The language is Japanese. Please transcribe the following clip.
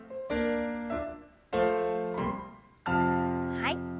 はい。